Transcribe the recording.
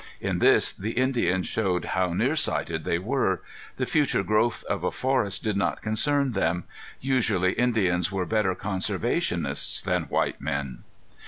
In this the Indians showed how near sighted they were; the future growth of a forest did not concern them. Usually Indians were better conservationists than white men.